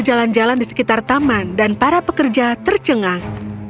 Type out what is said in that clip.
jalan jalan di sekitar taman dan para pekerja tercengang